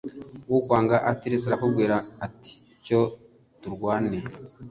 Ukwanga atiretse arakubwira ati: cyo turwane.